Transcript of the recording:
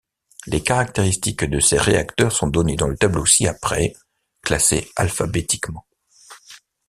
Les caractéristiques de ces réacteurs sont données dans le tableau ci-après, classés alphabétiquement.